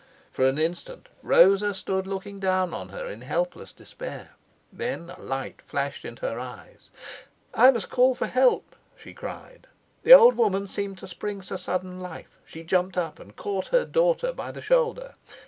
For an instant Rosa stood looking down on her in helpless despair. Then a light flashed into her eyes. "I must call for help," she cried. The old woman seemed to spring to sudden life. She jumped up and caught her daughter by the shoulder.